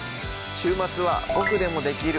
週末は「ボクでもできる！